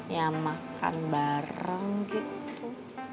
ya makan bareng gitu